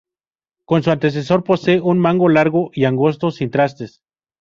Como su antecesor, posee un mango largo y angosto, sin trastes.